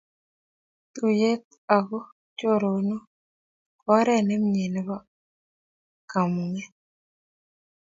Tuiyet ako choronook ko oret ne mie nebo kamung'et.